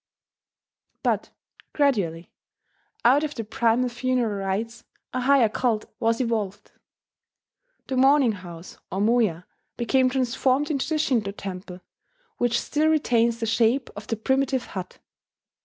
But, gradually, out of the primal funeral rites, a higher cult was evolved. The mourning house, or moya, became transformed into the Shinto temple, which still retains the shape of the primitive hut.